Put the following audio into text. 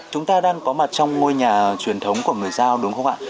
chúng ta đang có mặt trong ngôi nhà truyền thống của người giao đúng không ạ